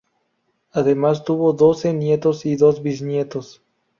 Además tuvo doce nietos y dos bisnietos.